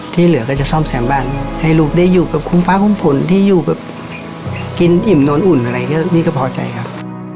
เหลือก็จะซ่อมแซมบ้านให้ลูกได้อยู่กับคุณฟ้าคุ้มฝนที่อยู่แบบกินอิ่มนอนอุ่นอะไรอย่างนี้นี่ก็พอใจครับ